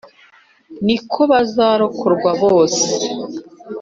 ni ko bazarokorwa bose